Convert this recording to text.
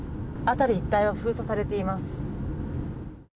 辺り一帯は封鎖されています。